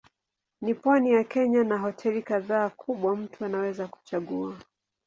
Ni pwani ya Kenya na hoteli kadhaa kwamba mtu anaweza kuchagua.